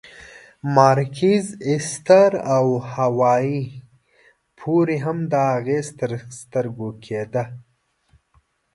مارکیز، ایستر او هاوایي پورې هم دا اغېز تر سترګو کېده.